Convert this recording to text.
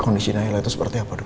kondisi naila itu seperti apa dok